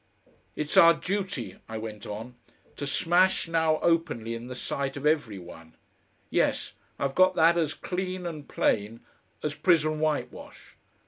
"It's our duty," I went on, "to smash now openly in the sight of every one. Yes! I've got that as clean and plain as prison whitewash.